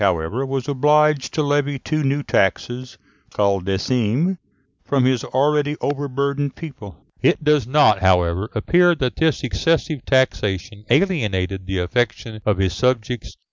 however, was obliged to levy two new taxes, called decimes, from his already overburdened people. It does not, however, appear that this excessive taxation alienated the affection of his subjects.